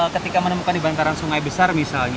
ketika menemukan di bantaran sungai besar misalnya